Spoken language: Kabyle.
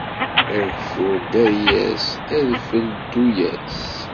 Ageffur ddari-yas adfel ddu-yas.